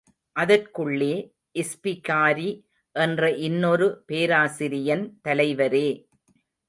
அதற்குள்ளே, இஸ்பிகாரி என்ற இன்னொரு பேராசிரியன், தலைவரே!